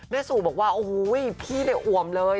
แม่สูตรบอกว่าโอ้โหผิดพี่เลยอวมเลย